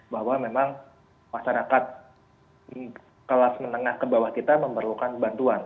bahwa memang masyarakat kelas menengah ke bawah kita memerlukan bantuan